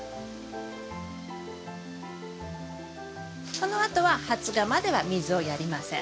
このあとは発芽までは水をやりません。